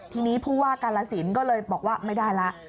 ทีนี้ผู้ว่ากาลสินก็เลยบอกว่าไม่ได้แล้ว